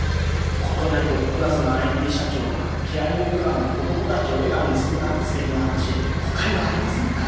国内トップクラスのＩＴ社長がケアリングクラウンで子供たちを笑顔にするなんてステキな話他にはありませんから。